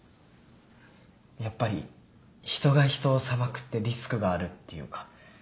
やっぱり人が人を裁くってリスクがあるっていうか。